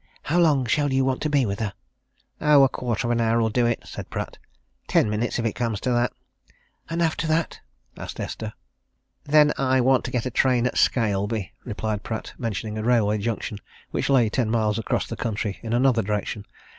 How long shall you want to be with her?" "Oh, a quarter of an hour'll do," said Pratt. "Ten minutes, if it comes to that." "And after that?" asked Esther. "Then I want to get a train at Scaleby," replied Pratt, mentioning a railway junction which lay ten miles across country in another direction.